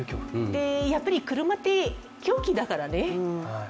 やっぱり車って凶器だからね。